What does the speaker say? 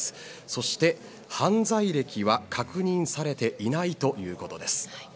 そして、犯罪歴は確認されていないということです。